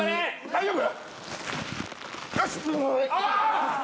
大丈夫？